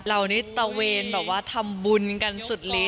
เรานี่ตะเวนแบบว่าทำบุญกันสุดลิ้น